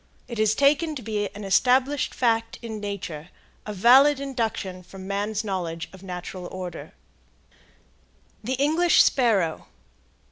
It is taken to be an established fact in nature, a valid induction from man's knowledge of natural order. THE ENGLISH SPARROW.